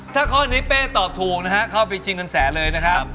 ถ้าข้อนี้เป้ตอบถูกนะฮะเข้าไปชิงเงินแสนเลยนะครับ